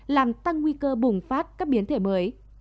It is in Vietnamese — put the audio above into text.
làm tăng nguy cơ bùng phát các biến thể mới